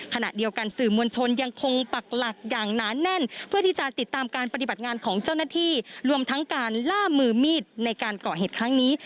ขณะเดียวกันสื่อมวลชนยังคงปักหลักอย่างหนาแน่นเพื่อที่จะติดตามการปฏิบัติงานของเจ้าหน้าที่รวมทั้งการล่ามือมีดในการก่อเหตุครั้งนี้